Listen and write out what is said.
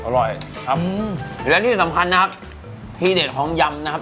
อร่อยครับและที่สำคัญนะครับที่เด็ดของยำนะครับ